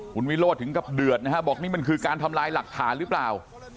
คุณวิโรธถึงกับเดือดนะฮะบอกนี่มันคือการทำลายหลักฐานหรือเปล่า